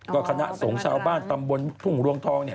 ก็คณะสงฆ์ชาวบ้านตำบลทุ่งรวงทองเนี่ย